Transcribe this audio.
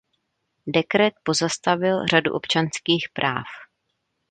Dekret pozastavil řadu občanských práv.